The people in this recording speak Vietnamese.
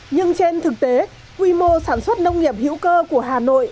nhưng trên thực tế quy mô sản xuất nông nghiệp hữu cơ của hà nội